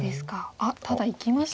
あっただいきましたね。